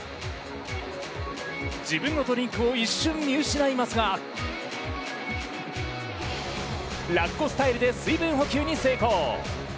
自分のドリンクを一瞬見失いますが、ラッコスタイルで水分補給に成功。